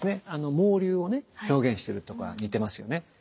毛流を表現してるとこが似てますよね。